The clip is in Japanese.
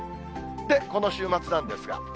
で、この週末なんですが。